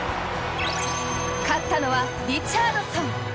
勝ったのはリチャードソン。